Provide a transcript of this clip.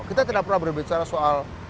kita tidak pernah berbicara soal